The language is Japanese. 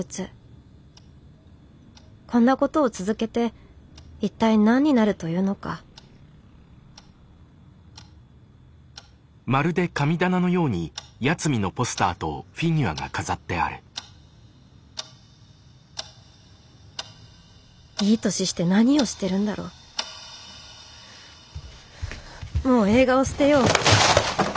こんなことを続けて一体何になるというのかいい年して何をしてるんだろもう映画を捨てよう。